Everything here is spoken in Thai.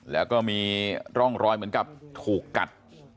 แล้วก็มีร่องรอยเหมือนกับถูกกัด